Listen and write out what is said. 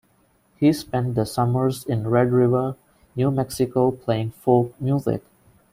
He spent the summers in Red River, New Mexico playing folk music.